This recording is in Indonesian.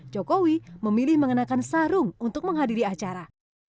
jokowi memilih mengenakan sarung untuk menghadiri acara